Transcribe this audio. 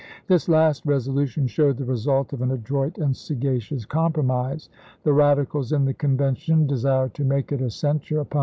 This last resolution showed the result of an adroit and sagacious compromise. The Radicals in LINCOLN RENOMINATED 71 the Convention desired to make it a censure upon chap.